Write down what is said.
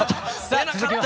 出なかった。